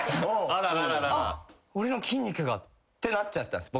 あっ俺の筋肉がってなっちゃったんです